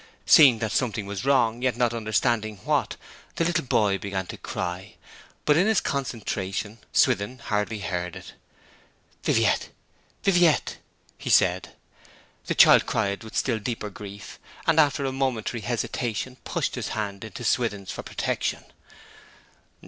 Seeing that something was wrong, yet not understanding what, the little boy began to cry; but in his concentration Swithin hardly heard it. 'Viviette Viviette!' he said. The child cried with still deeper grief, and, after a momentary hesitation, pushed his hand into Swithin's for protection.